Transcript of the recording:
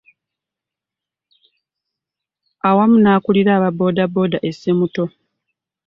Awamu n'akulira aba boodabooda e Ssemuto